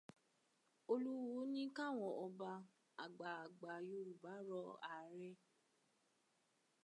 Olúwo ní káwọn Ọba, àgbààgbà Yorùbá rọ Ààrẹ.